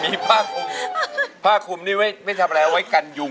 มีผ้าคุมผ้าคุมนี่ไม่ทำอะไรเอาไว้กันยุง